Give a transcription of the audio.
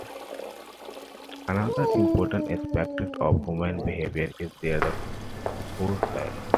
Another important aspect of human behavior is their "core faith".